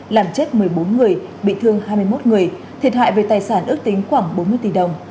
làm chết một mươi bốn người bị thương hai mươi một người thiệt hại về tài sản ước tính khoảng bốn mươi tỷ đồng